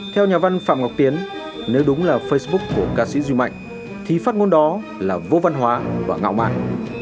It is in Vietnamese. theo nhà văn phạm ngọc tiến nếu đúng là facebook của ca sĩ duy mạnh thì phát ngôn đó là vô văn hóa và ngạo mạng